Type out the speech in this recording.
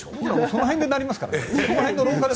その辺の廊下でなりますからね。